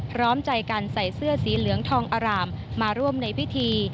พร้อมใจกันใส่เสื้อสีเหลืองทองอร่ามมาร่วมในพิธี